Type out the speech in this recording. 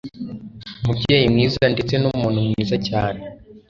umubyeyi mwiza ndetsee n'umuntu mwiza cyane.”